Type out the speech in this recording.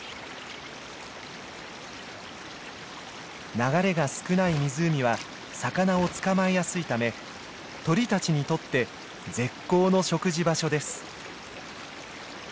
流れが少ない湖は魚を捕まえやすいため鳥たちにとって絶好の食事場所です。